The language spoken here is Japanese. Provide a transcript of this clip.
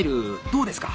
どうですか？